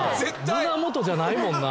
胸元じゃないもんな。